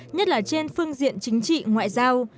nhất là trên phương diện chính trị ngoại giao